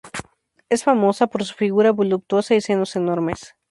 Es famosa por su figura voluptuosa y senos enormes.